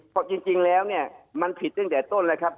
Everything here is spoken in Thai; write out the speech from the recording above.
เพราะจริงแล้วเนี่ยมันผิดตั้งแต่ต้นแล้วครับ